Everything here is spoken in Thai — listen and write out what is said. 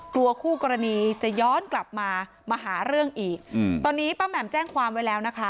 กลัวคู่กรณีจะย้อนกลับมามาหาเรื่องอีกอืมตอนนี้ป้าแหม่มแจ้งความไว้แล้วนะคะ